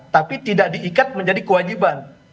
tapi tidak diikat menjadi kewajiban